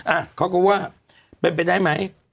อ่ะเขาก็ว่าเป็นไปได้ไหม